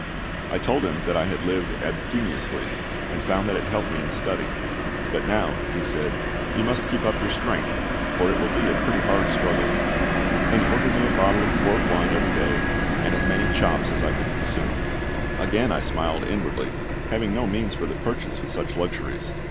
I told him I had lived abstemiously, and found that it helped me in study. "But now," he said, "you must keep up your strength, for it will be a pretty hard struggle." And he ordered me a bottle of port wine every day, and as many chops as I could consume. Again I smiled inwardly, having no means for the purchase of such luxuries.